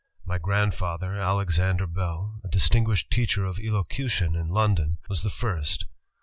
My grandfather, Alexander Bell, a distinguished teacher of elocution in London, was the first.